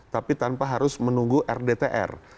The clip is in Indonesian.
tapi tanpa harus menunggu rdtr